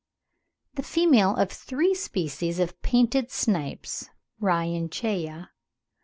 ] The females of the three species of Painted Snipes (Rhynchaea, Fig.